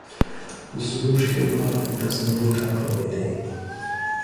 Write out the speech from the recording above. زمونږ هیواد د زمرو ټاټوبی دی